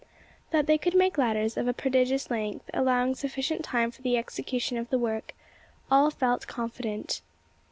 That they could make ladders of a prodigious length allowing sufficient time for the execution of the work all felt confident.